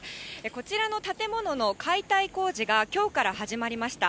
こちらの建物の解体工事がきょうから始まりました。